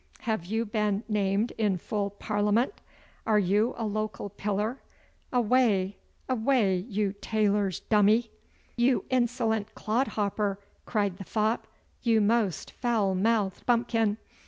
Have you been named in full Parliament? Are you a local pillar? Away, away, you tailor's dummy!' 'You insolent clodhopper!' cried the fop. 'You most foul mouthed bumpkin!